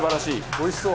おいしそう。